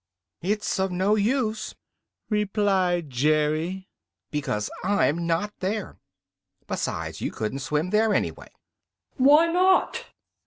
"It's of no use," replied Jerry, "because I'm not there. Besides, you couldn't swim there, anyway." "Why not?"